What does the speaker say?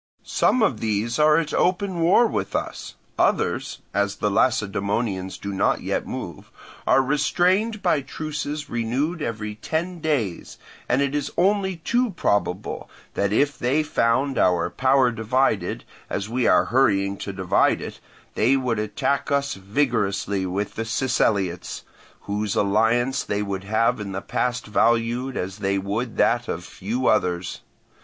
Some of these are at open war with us; others (as the Lacedaemonians do not yet move) are restrained by truces renewed every ten days, and it is only too probable that if they found our power divided, as we are hurrying to divide it, they would attack us vigorously with the Siceliots, whose alliance they would have in the past valued as they would that of few others.